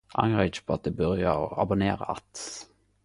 Angrar ikkje på at eg byrja å abonnere att.